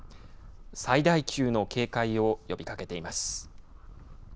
最大級の警戒を呼びかけています。